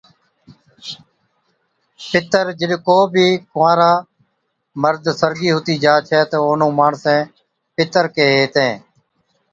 پِتر، جِڏ ڪو بِي ڪُنوارا بالغ (جوان) مرد سرگِي ھُتِي جا ڇَي تہ اونھُون ماڻسين پِتر ڪيھين ھِتين